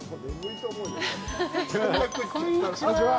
こんにちは。